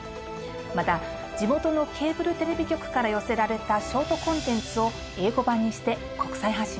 また地元のケーブルテレビ局から寄せられたショートコンテンツを英語版にして国際発信します。